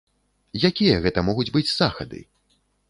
Якія гэта могуць быць захады?